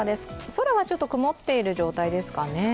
空はちょっと曇っている状態ですかね。